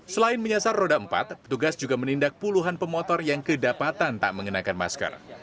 selain menyasar roda empat petugas juga menindak puluhan pemotor yang kedapatan tak mengenakan masker